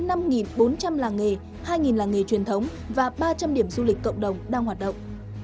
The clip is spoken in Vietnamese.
năm bốn trăm linh làng nghề hai làng nghề truyền thống và ba trăm linh điểm du lịch cộng đồng đang hoạt động